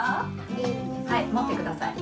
はいもってください。